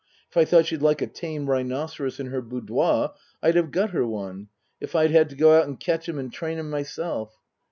If I thought she'd like a tame rhinoceros in her boudoir I'd have got her one, if I'd 'ad to go out and catch 'im and train 'im myself.